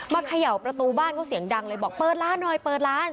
เขย่าประตูบ้านเขาเสียงดังเลยบอกเปิดร้านหน่อยเปิดร้าน